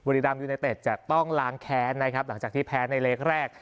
บุรีรัมยูไนเตศจะต้องล้างแค้นครับต่อการเพลงแท้ในเล็กแรก